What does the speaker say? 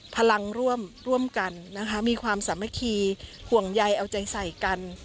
พลังร่วมกันนะคะมีความสามัคคีห่วงใยเอาใจใส่กัน